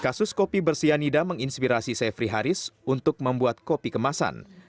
kasus kopi bersianida menginspirasi sefri haris untuk membuat kopi kemasan